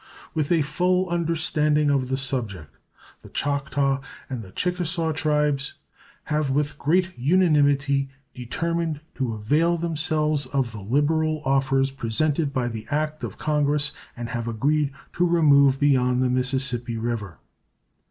With a full understanding of the subject, the Choctaw and the Chickasaw tribes have with great unanimity determined to avail themselves of the liberal offers presented by the act of Congress, and have agreed to remove beyond the Mississippi River.